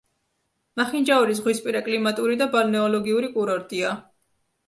მახინჯაური ზღვისპირა კლიმატური და ბალნეოლოგიური კურორტია.